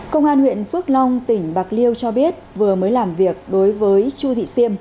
công an huyện phước long tỉnh bạc liêu cho biết vừa mới làm việc đối với chu thị siêm